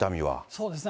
そうですね。